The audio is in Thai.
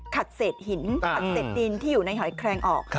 เศษหินขัดเศษดินที่อยู่ในหอยแคลงออก